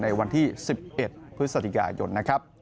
ในวันที่๑๑พฤศจิกายนนะครับ